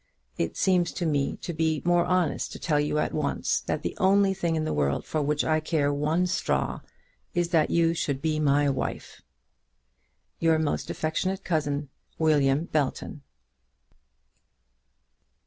It seems to me to be more honest to tell you at once that the only thing in the world for which I care one straw is that you should be my wife. Your most affectionate Cousin, WILLIAM BELTON.